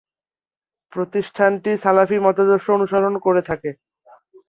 প্রতিষ্ঠানটি সালাফি মতাদর্শ অনুসরণ করে থাকে।